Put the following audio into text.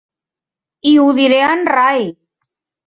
I ho diré a en Ray!